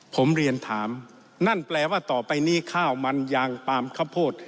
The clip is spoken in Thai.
ผมเรียนถามนั่นแปลว่าต่อไปนี้ข้าวมันยางปลามข้าวโพด